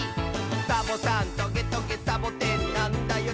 「サボさんトゲトゲサボテンなんだよ」